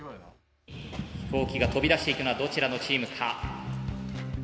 飛行機が飛び出していくのはどちらのチームか。